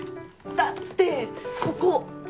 だってここ！